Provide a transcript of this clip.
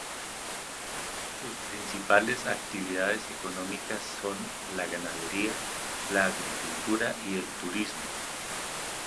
Sus principales actividades económicas son la ganadería, la agricultura y el turismo.